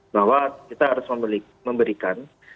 bahwa kita harus memberikan